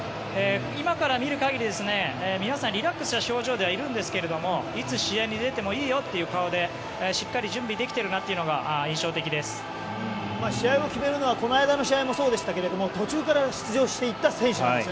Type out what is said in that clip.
今から見る限り、皆さんリラックスしている表情ではあるんですがいつ試合に出てもいいよという顔でしっかり準備できているなというのが試合を決めるのはこの間の試合もそうでしたが途中から出場した選手なんです。